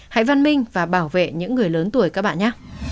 hãy văn minh và bảo vệ những người lớn tuổi các bạn nhắc